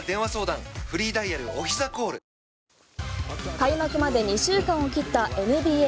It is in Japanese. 開幕まで２週間を切ったＮＢＡ。